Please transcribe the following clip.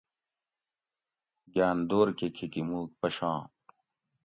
گاۤن دور کہ کھیکی مُوک پشام